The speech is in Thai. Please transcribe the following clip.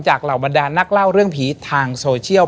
เหล่าบรรดานนักเล่าเรื่องผีทางโซเชียล